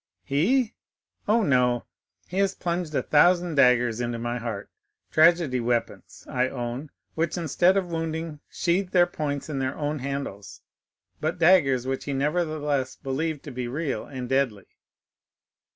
"He? Oh, no, he has plunged a thousand daggers into my heart, tragedy weapons, I own, which instead of wounding sheathe their points in their own handles, but daggers which he nevertheless believed to be real and deadly."